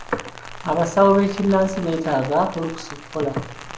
Abasawo b'ekinnansi beetaaga olukusa okukola.